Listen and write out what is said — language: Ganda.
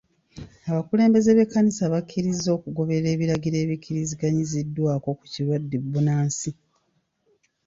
Abakulembeze b'ekkanisa bakkirizza okugoberera ebiragiro ebikkiriziganyiziddwako ku kirwadde bbunansi.